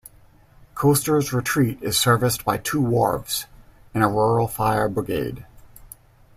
Coasters Retreat is serviced by two wharves, and a rural fire brigade.